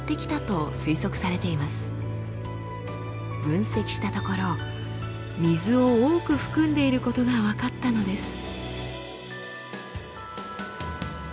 分析したところ水を多く含んでいることが分かったのです。